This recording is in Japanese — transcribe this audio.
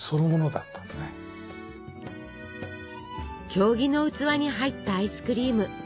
経木の器に入ったアイスクリーム。